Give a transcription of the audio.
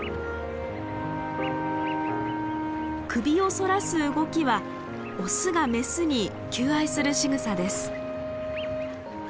首を反らす動きはオスがメスに求愛するしぐさです。